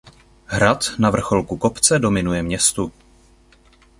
Hrad na vrcholku kopce dominuje městu.